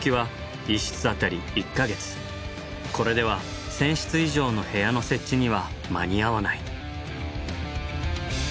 これでは１，０００室以上の部屋の設置には間に合わない。